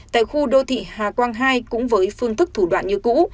tại khu đô thị hà quang hai cũng với phương thức thủ đoạn như cũ